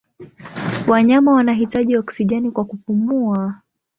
Wanyama wanahitaji oksijeni kwa kupumua.